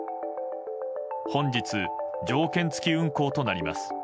本日、条件付き運航となります。